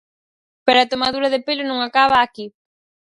Pero a tomadura de pelo non acaba aquí.